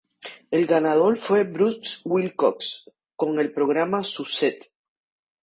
El ganador fue Bruce Wilcox, con el programa Suzette.